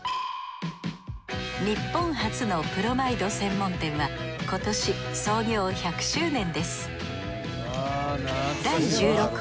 日本初のプロマイド専門店は今年創業１００周年です